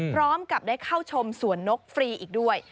พร้อมกับได้เข้าชมสวนนกฟรีอีกด้วย